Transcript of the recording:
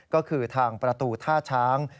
ก็คือทางประตูท่าช้าง